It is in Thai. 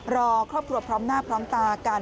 รอครอบครัวพร้อมหน้าพร้อมตากัน